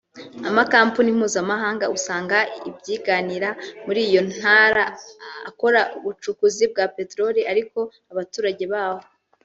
Amakampuni mpuzamahanga usanga ibyiganira muri iyo ntara akora ubucukuzi bwa Petoroli ariko abaturage baho